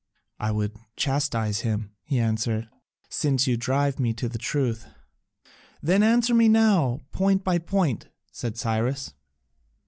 "I would chastise him," he answered, "since you drive me to the truth." "Then answer me now, point by point," said Cyrus.